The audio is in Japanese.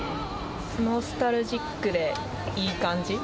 ノスタルジックでいい感じ。